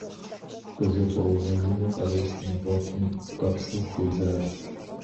КъызэфӀэувэжыну къару щимыгъуэтым, къэпщу хуежьащ.